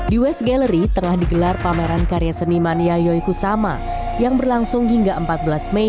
di west gallery tengah digelar pameran karya seniman yayoi kusama yang berlangsung hingga empat belas mei dua ribu dua puluh tiga